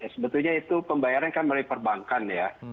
sebetulnya itu pembayaran kan melalui perbankan ya